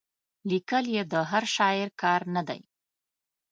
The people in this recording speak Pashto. لیکل یې د هر شاعر کار نه دی.